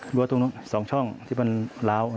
ดูว่าตรงสองช่องที่มันเรา